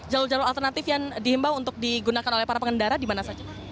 jalur jalur alternatif yang dihimbau untuk digunakan oleh para pengendara di mana saja pak